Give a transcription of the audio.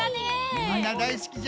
みんなだいすきじゃ。